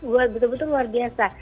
buat betul betul luar biasa